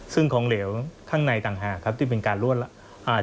ซึ่งของเหลวข้างในต่างหากครับที่เป็นการรวดอ่า